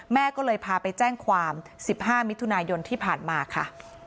แม่ก็เลยพาไปแจ้งความ๑๕มิถุนายนที่ผ่านมาค่ะ